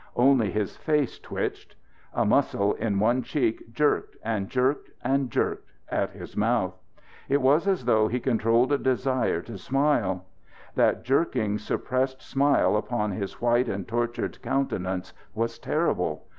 Only his face twitched. A muscle in one cheek jerked and jerked and jerked at his mouth. It was as though he controlled a desire to smile. That jerking, suppressed smile upon his white and tortured countenance was terrible.